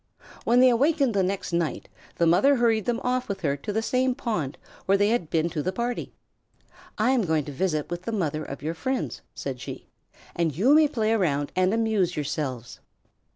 When they awakened the next night, the mother hurried them off with her to the same pond where they had been to the party. "I am going to visit with the mother of your friends," said she, "and you may play around and amuse yourselves."